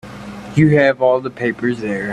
You have all the papers there.